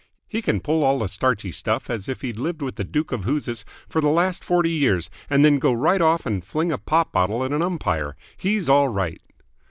He can pull all the starchy stuff as if he'd lived with the Duke of Whoosis for the last forty years, and then go right off and fling a pop bottle at an umpire! He's all right!"